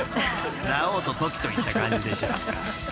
［ラオウとトキといった感じでしょうか］